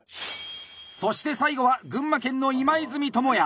そして最後は群馬県の今泉知也。